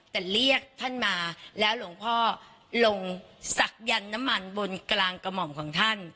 แต่เรียกท่านมาแล้วหลวงพ่อลงศักยันต์น้ำมันบนกลางกระหม่อมของท่าน